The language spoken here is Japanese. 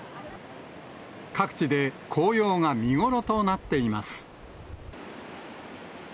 各地で紅葉が見頃となっています。